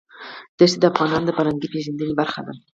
دښتې د افغانانو د فرهنګي پیژندنې برخه ده.